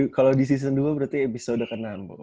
kalau di season dua berarti episode ke enam